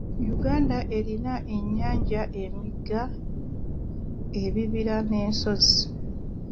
Uganda erina ennyanja, emigga, ebibira n'ensozi.